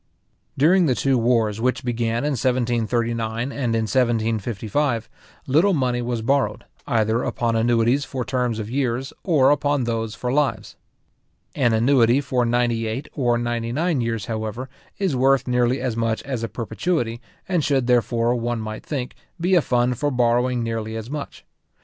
During the two wars which began in 1739 and in 1755, little money was borrowed, either upon annuities for terms of years, or upon those for lives. An annuity for ninety eight or ninety nine years, however, is worth nearly as much as a perpetuity, and should therefore, one might think, be a fund for borrowing nearly as much.